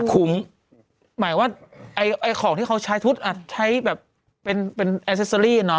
คุ้มหมายว่าไอ้ไอ้ของที่เขาใช้ทุกอ่ะใช้แบบเป็นเป็นเนอะอ่า